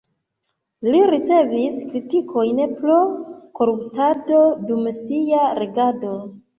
Li ricevis kritikojn pro koruptado dum sia regado.